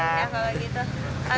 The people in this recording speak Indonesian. ya kalau gitu